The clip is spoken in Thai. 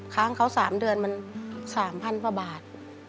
ค้างเขา๓เดือนมัน๓๐๐กว่าบาท